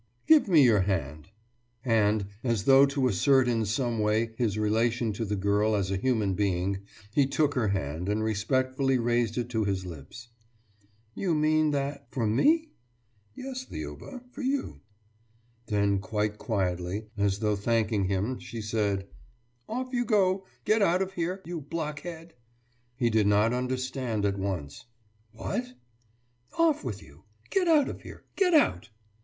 « »Give me your hand.« And, as though to assert in some way his relation to the girl as a human being, he took her hand and respectfully raised it to his lips. »You mean that ... for me?« »Yes, Liuba, for you.« Then quite quietly, as though thanking him, she said: »Off you go! Get out of here, you block head!« He did not understand at once. »What?« »Off with you. Get out of here! Get out!